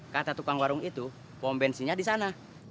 kata tukang warung itu pom bensinnya di sana